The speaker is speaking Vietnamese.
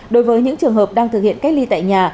đối với những trường hợp đang thực hiện cách ly tại nhà